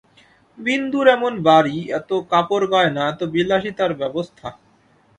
বিন্দুর এমন বাড়ি, এত কাপড়গয়না, এত বিলাসিতার ব্যবস্থা!